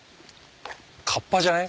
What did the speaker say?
河童じゃない？